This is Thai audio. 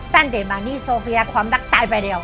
ตั้งแต่มานี่โซเฟียความรักตายไปแล้ว